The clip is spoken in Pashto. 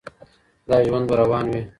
دا ژوند به روان وي.